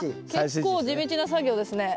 結構地道な作業ですね。